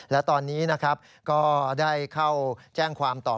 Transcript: และตอนนี้นะครับก็ได้เข้าแจ้งความตอบ